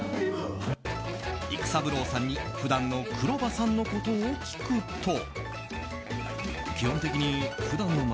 育三郎さんに普段の黒羽さんのことを聞くと。